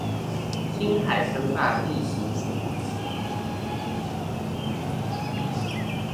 星海爭霸的異型